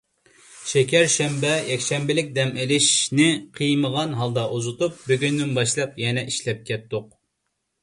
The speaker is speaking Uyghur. شېكەر شەنبە، يەكشەنبىلىك دەم ئېلىشنى قىيمىغان ھالدا ئۇزىتىپ، بۈگۈندىن باشلاپ يەنە ئىشلەپ كەتتۇق.